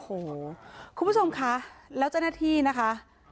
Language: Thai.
โอ้โหคุณผู้ชมคะแล้วเจ้าหน้าที่นะคะ